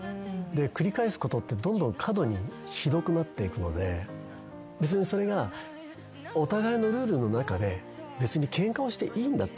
繰り返すことってどんどん過度にひどくなっていくのでそれがお互いのルールの中で別にケンカをしていいんだったらいいんですよ。